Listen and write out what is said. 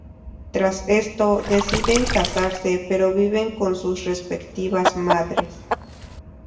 Tras esto, deciden casarse pero viven con sus respectivas madres.